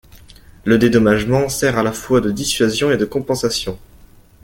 Le dédommagement sert à la fois de dissuasion et de compensation.